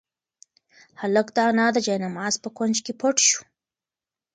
هلک د انا د جاینماز په کونج کې پټ شو.